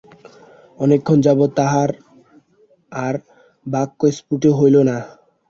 অনেকক্ষণ পর্যন্ত তাঁহার আর বাক্যস্ফূর্তি হইল না।